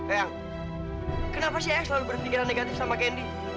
eyang kenapa sih eyang selalu berpikiran negatif sama candy